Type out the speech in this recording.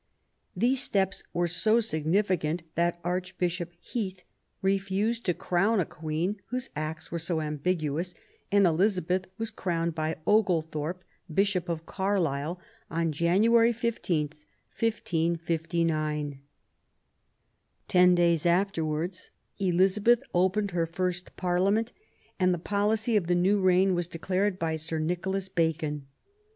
These steps were so significant that Archbishop Heath refused to crown a Queen whose acts were so ambiguous ; and Elizabeth was crowned by Oglethorpe, Bishop of Carlisle, on January 15, 1559. Ten days afterwards, Elizabeth opened her first Parliament, and the policy of the new reign was declared by Sir Nicholas Bacon.